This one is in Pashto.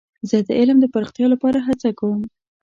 زه د علم د پراختیا لپاره هڅه کوم.